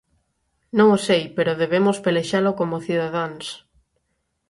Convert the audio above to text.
Non o sei, pero debemos pelexalo como cidadáns.